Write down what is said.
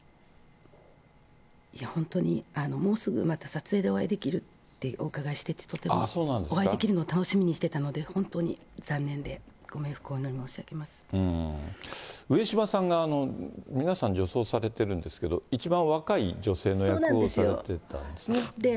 いや、本当に、もうすぐまた撮影でお会いできるってお伺いしてて、とてもお会いできるのを楽しみにしてたので、本当に残念で、上島さんが皆さん、女装されてるんですけど、一番若い女性の役をやってたんですよね。